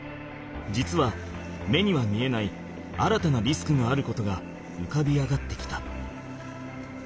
実は目には見えない新たなリスクがあることが浮かび上がってきた。